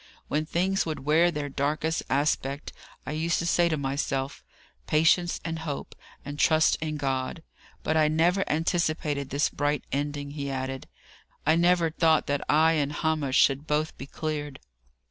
"When things would wear their darkest aspect, I used to say to myself, 'Patience and hope; and trust in God!' But I never anticipated this bright ending," he added. "I never thought that I and Hamish should both be cleared."